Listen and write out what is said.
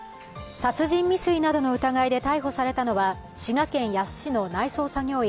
殺人未遂などの疑いで逮捕されたのは滋賀県野洲市の内装作業員